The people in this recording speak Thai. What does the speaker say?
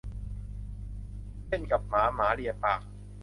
เล่นกับหมาหมาเลียปาก